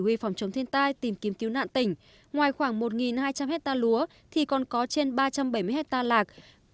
huy phòng chống thiên tai tìm kiếm cứu nạn tỉnh ngoài khoảng một hai trăm linh hectare lúa thì còn có trên ba trăm bảy mươi hectare lạc